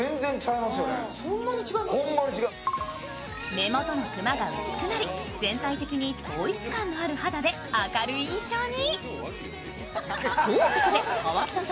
目元のクマが薄くなり、全体的に統一感のある肌で明るい印象に。